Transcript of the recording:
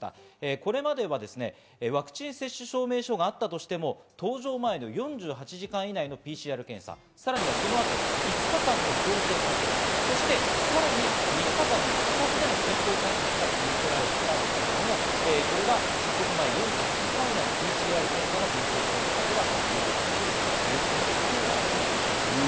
これまではワクチン接種証明書があったとしても登場前の４８時間以内のＰＣＲ検査さらに、そのあと５日間の強制隔離、そしてさらに３日間の自宅での健康観察が義務づけられていたんですが、これが出国前、４８時間以内のＰＣＲ検査の陰性証明があれば入国できるということで水際対策も変えてきました。